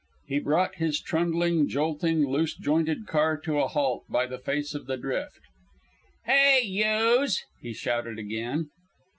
He brought his trundling, jolting, loose jointed car to a halt by the face of the drift. "Hey, youse!" he shouted again.